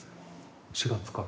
４月から？